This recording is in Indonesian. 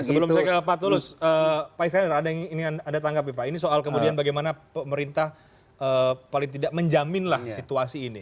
sebelum saya ke pak tulus pak iskandar ada yang anda tanggapi pak ini soal kemudian bagaimana pemerintah paling tidak menjaminlah situasi ini